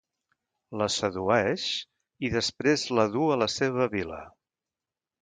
La sedueix, i després la duu a la seva vil·la.